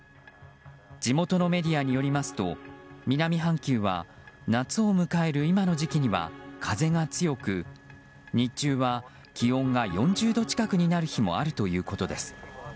地元のメディアによりますと南半球は夏を迎える今の時期には風が強く日中は気温が４０度近くになる日もあるということです。